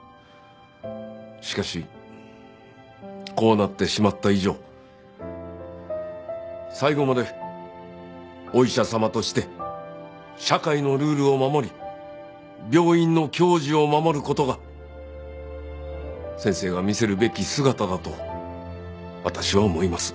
しかしこうなってしまった以上最後までお医者様として社会のルールを守り病院の矜持を守る事が先生が見せるべき姿だと私は思います。